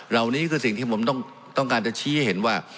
เหล่านี้คือสิ่งที่ผมต้องการจะชี้ให้เห็นว่า